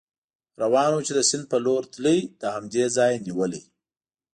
روان و، چې د سیند په لور تلی، له همدې ځایه نېولې.